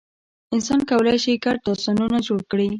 انسان کولی شي ګډ داستانونه جوړ کړي.